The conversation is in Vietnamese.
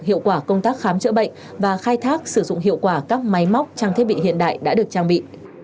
hiệu quả công tác khám chữa bệnh và khai thác sử dụng hiệu quả các máy móc trang thiết bị hiện đại đã được trang bị